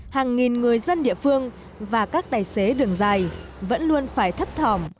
hàng nghìn người dân địa phương và các tài xế đường dài vẫn luôn phải thấp thỏm